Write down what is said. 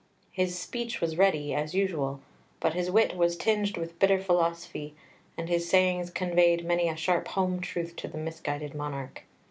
His speech was ready, as usual, but his wit was tinged with bitter philosophy, and his sayings conveyed many a sharp home truth to the misguided monarch.